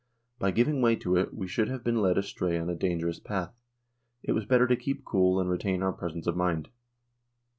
By giving way to it we should have been led astray on a dangerous path ; it was better to keep cool and retain our presence of mind."